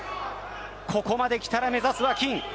ここまで来たら目指すは金。